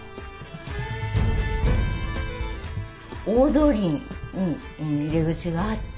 大通りに入り口があって。